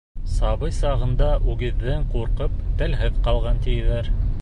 Сабый сағында үгеҙҙән ҡурҡып телһеҙ ҡалған, тиҙәр.